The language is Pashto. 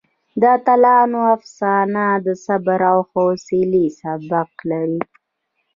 د اتلانو افسانه د صبر او حوصلې سبق لري.